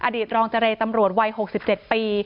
อดีตรองเจรตำรวจวัย๖๗ปี